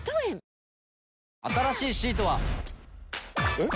えっ？